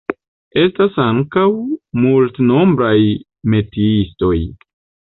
Estas ankaŭ multnombraj metiistoj.